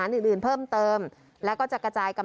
อัศวินธรรมชาติ